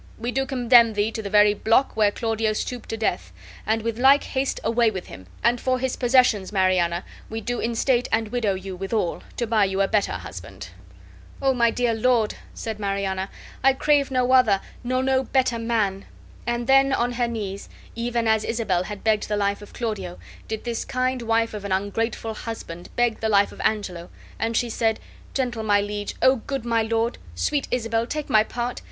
We do condemn thee to the very block where Claudio stooped to death, and with like haste away with him; and for his possessions, Mariana, we do instate and widow you withal, to buy you a better husband." "O my dear lord," said Mariana, "I crave no other, nor no better man!" And then on her knees, even as Isabel had begged the life of Claudio, did this kind wife of an ungrateful husband beg the life of Angelo; and she said: "Gentle my liege, O good my lord! Sweet Isabel, take my part!